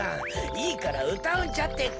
いいからうたうんじゃってか。